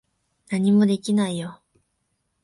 何もできないよ。